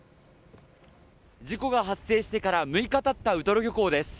事故が発生してから６日たったウトロ漁港です。